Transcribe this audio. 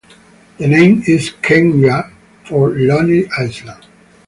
The name is Quenya for "Lonely Island".